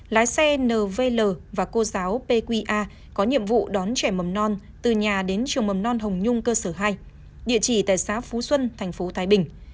lái xe nvl và cô giáo pqa có nhiệm vụ đón trẻ mầm non từ nhà đến trường mầm non hồng nhung cơ sở hai địa chỉ tại xã phú xuân thành phố thái bình